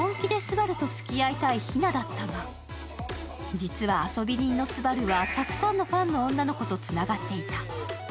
実は、遊び人のスバルはたくさんの女の子とつながっていた。